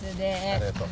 ありがとう。